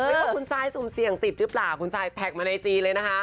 ว่าคุณซายสุ่มเสี่ยงติดหรือเปล่าคุณซายแท็กมาในจีเลยนะคะ